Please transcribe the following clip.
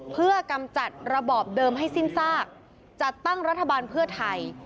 เพื่อกำจัดระบอบเดิมให้สิ้นซากจัดตั้งรัฐบาลเพื่อไทย